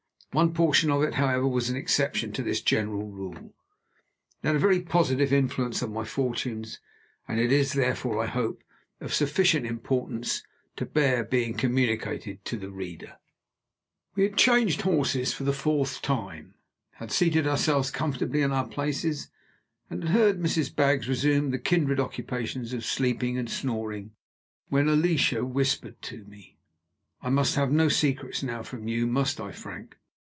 One portion of it, however, was an exception to this general rule. It had a very positive influence on my fortunes, and it is, therefore, I hope, of sufficient importance to bear being communicated to the reader. We had changed horses for the fourth time, had seated ourselves comfortably in our places, and had heard Mrs. Baggs resume the kindred occupations of sleeping and snoring, when Alicia whispered to me: "I must have no secrets, now, from you must I, Frank?"